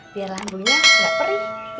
biar lambunya gak perih